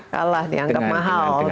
kalah dianggap mahal